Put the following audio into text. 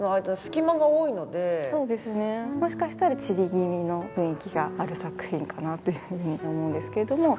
もしかしたら散り気味の雰囲気がある作品かなというふうに思うんですけれども。